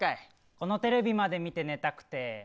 このテレビまで見たくて。